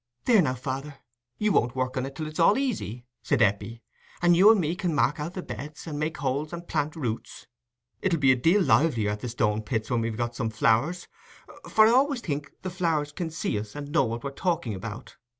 "There, now, father, you won't work in it till it's all easy," said Eppie, "and you and me can mark out the beds, and make holes and plant the roots. It'll be a deal livelier at the Stone pits when we've got some flowers, for I always think the flowers can see us and know what we're talking about.